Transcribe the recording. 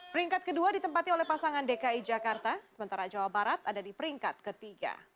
peringkat kedua ditempati oleh pasangan dki jakarta sementara jawa barat ada di peringkat ketiga